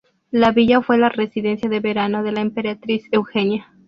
La villa fue la residencia de verano de la emperatriz Eugenia.